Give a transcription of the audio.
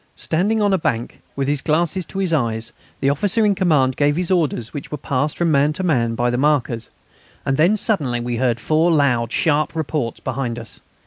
Standing on a bank, with his glasses to his eyes, the officer in command gave his orders which were passed from man to man by the markers. And then suddenly we heard four loud, sharp reports behind us.